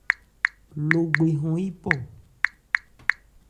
Logbê hɔn yípɔ.